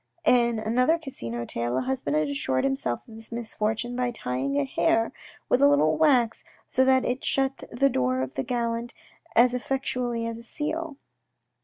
In another Casino tale a husband had assured himself of his misfortune by tying a hair with a little wax so that it shut the door of the gallant as effectually as a seal.